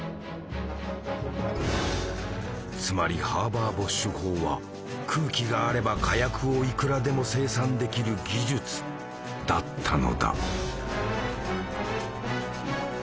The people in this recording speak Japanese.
つまりハーバー・ボッシュ法は空気があれば火薬をいくらでも生産できる技術だったのだ。